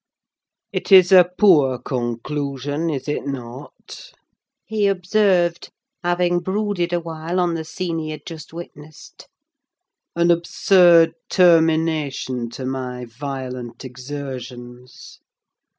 "It is a poor conclusion, is it not?" he observed, having brooded a while on the scene he had just witnessed: "an absurd termination to my violent exertions?